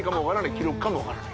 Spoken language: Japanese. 記録かも分からない